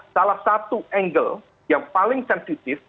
salah satu angle yang paling sensitif